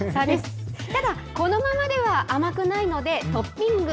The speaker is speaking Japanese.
ただ、このままでは甘くないので、トッピング。